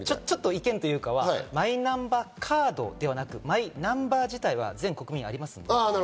意見というかマイナンバーカードではなく、マイナンバー自体は全国民ありますよね。